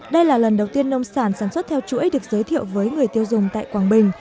đây là lần đầu tiên nông sản sản xuất theo chuỗi được giới thiệu với người tiêu dùng tại quảng bình